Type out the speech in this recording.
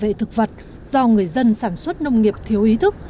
rác đủ loại thực vật do người dân sản xuất nông nghiệp thiếu ý thức